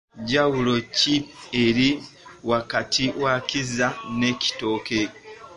Njawulo ki eri wakati Kizza ne Kitooke?